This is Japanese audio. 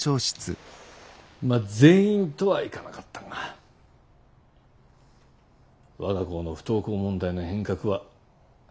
まっ全員とはいかなかったが我が校の不登校問題の変革はこの２学期からだよ。